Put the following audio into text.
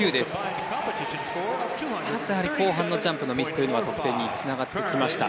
ちょっとやはり後半のジャンプのミスというのは得点につながってきました。